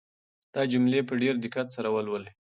دا جملې په ډېر دقت سره ولولئ.